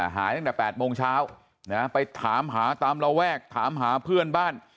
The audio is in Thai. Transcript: หายตั้งแต่๘โมงเช้าไปถามหาตามระแวกถามหาเพื่อนบ้าน